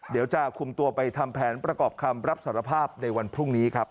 เดี๋ยวจะคุมตัวไปทำแผนประกอบคำรับสารภาพในวันพรุ่งนี้ครับ